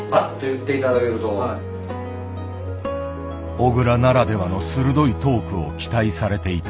小倉ならではの鋭いトークを期待されていた。